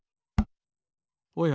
おや？